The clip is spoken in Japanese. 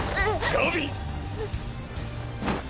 ガビ！！